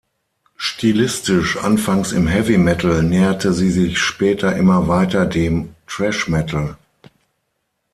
Stilistisch anfangs im Heavy Metal, näherte sie sich später immer weiter dem Thrash Metal.